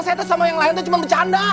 saya tahu sama yang lain itu cuma bercanda